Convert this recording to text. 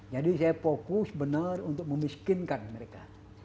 jadi saya fokus benar untuk memiskinkan mereka